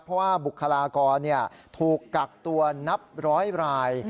เพราะว่าบุคลากรถูกกักตัวนับร้อยราย